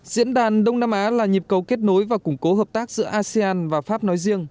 diễn đàn đông nam á là nhịp cầu kết nối và củng cố hợp tác giữa asean và pháp nói riêng